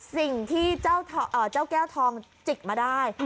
สิ่งที่เจ้าแก้วทองจิกมาได้